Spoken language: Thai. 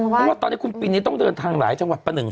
เพราะว่าตอนนี้คุณปีนี้ต้องเดินทางหลายจังหวัดประหนึ่ง